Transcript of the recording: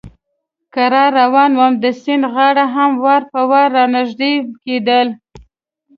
کرار روان ووم، د سیند غاړه هم وار په وار را نږدې کېدل.